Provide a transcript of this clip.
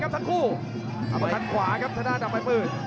เจ้าโสขึ้น